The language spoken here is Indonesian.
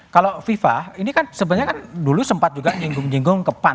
kalau viva ini kan sebenarnya kan dulu sempat juga menyinggung nyinggung ke pan